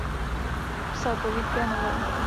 Psal povídky a novely.